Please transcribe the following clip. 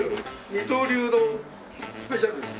二刀流のスペシャルです。